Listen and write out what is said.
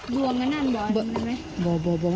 เดี๋ยวให้ขาวเบิดก่อน